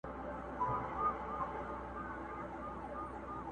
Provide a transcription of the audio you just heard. له کم اصلو ګلو ډک دي په وطن کي شنه باغونه!